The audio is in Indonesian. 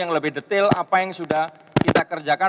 yang lebih detail apa yang sudah kita kerjakan